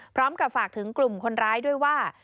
พร้อมกับฝากถึงกลุ่มคนร้ายด้วยว่า